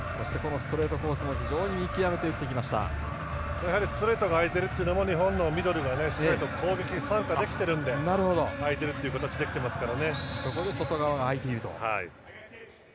ストレートが空いているというのも日本のミドルが、しっかりと攻撃参加できているので空いているという形ができていますから。